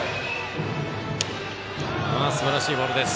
すばらしいボールです。